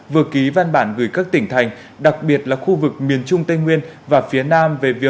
vừa ký văn bản gửi các tỉnh thành đặc biệt là khu vực miền trung tây nguyên và phía nam về việc